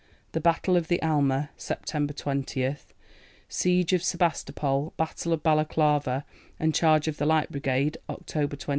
The Battle of the Alma (Sept. 20). Siege of Sebastopol. Battle of Balaclava and Charge of the Light Brigade (Oct. 25).